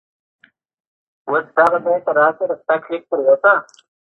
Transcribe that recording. افغانان خپل وطن دفاع کوي.